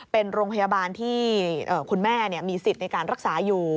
เป็นโรงพยาบาลที่คุณแม่มีสิทธิ์ในการรักษาอยู่